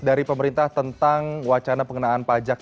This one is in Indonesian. dari pemerintah tentang wacana pengenaan pajak